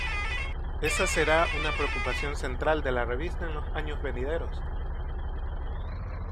Esa será una preocupación central de la revista en los años venideros.